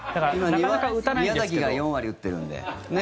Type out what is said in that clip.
今、宮崎が４割打ってるんで。